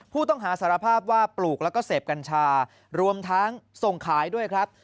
ผู้ต้องหาสารภาพว่าปลูกแล้วก็เสพกัญชารวมทั้งส่งขายด้วยครับ